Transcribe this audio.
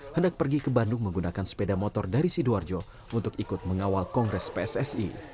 hendak pergi ke bandung menggunakan sepeda motor dari sidoarjo untuk ikut mengawal kongres pssi